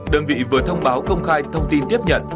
đơn vị vừa thông báo công khai thông tin tiếp nhận